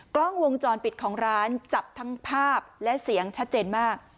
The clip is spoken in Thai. กล้องวงจรปิดของร้านจับทั้งภาพและเสียงชัดเจนมาก